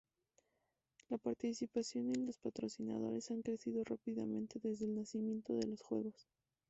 La participación y los patrocinadores han crecido rápidamente desde el nacimiento de los Juegos.